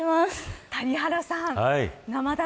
谷原さん。